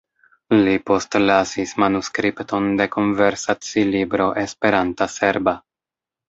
Li postlasis manuskripton de konversaci-libro Esperanta-serba.